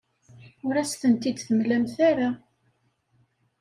Ur as-tent-id-temlamt ara.